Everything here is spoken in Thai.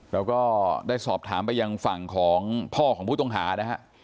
แล้วก็ได้สอบถามไปยังฝั่งของพ่อของผู้ต้องหานะฮะ